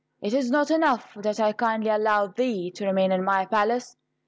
Is it not enough that I kindly allowed thee to remain in my palace.